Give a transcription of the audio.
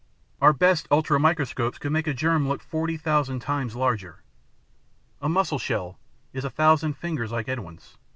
Our best ultramicroscopes could make a germ look forty thousand times larger. A mussel shell is a thousand fingers like Edwin's.